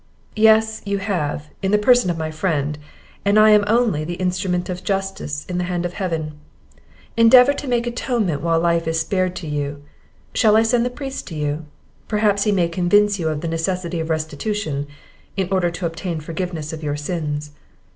"Yes, you have, in the person of my friend, and I am only the instrument of justice in the hand of Heaven; endeavour to make atonement while life is spared to you. Shall I send the priest to you? perhaps he may convince you of the necessity of restitution, in order to obtain forgiveness of your sins."